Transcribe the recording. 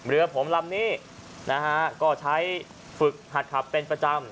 เรือผมลำนี้นะฮะก็ใช้ฝึกหัดขับเป็นประจำ